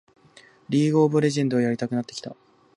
リーグ・オブ・レジェンドやりたくなってきた